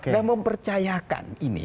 dan mempercayakan ini